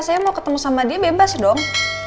saya mau ketemu sama dia bebas dong